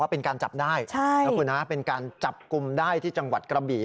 เป็นการจับได้นะคุณนะเป็นการจับกลุ่มได้ที่จังหวัดกระบี่